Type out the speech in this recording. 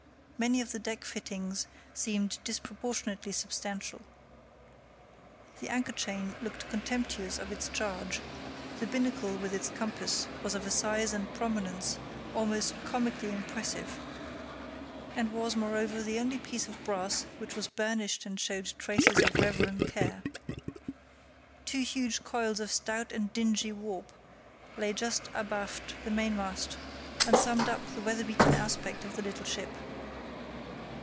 Many of the deck fittings seemed disproportionately substantial. The anchor chain looked contemptuous of its charge; the binnacle with its compass was of a size and prominence almost comically impressive, and was, moreover the only piece of brass which was burnished and showed traces of reverent care. Two huge coils of stout and dingy warp lay just abaft the mainmast, and summed up the weather beaten aspect of the little ship.